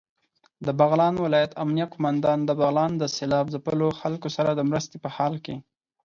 دبغلان ولايت امنيه قوماندان دبغلان د سېلاب ځپلو خلکو سره دمرستې په حال کې